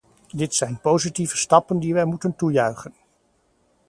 Dit zijn positieve stappen die wij moeten toejuichen.